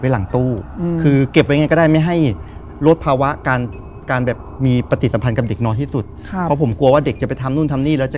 ลืมมาไม่ดี